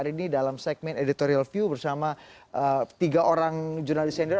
hari ini dalam segmen editorial view bersama tiga orang jurnalis senior